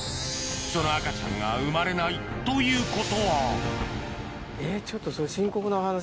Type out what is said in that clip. その赤ちゃんが生まれないということはえっちょっとそれ。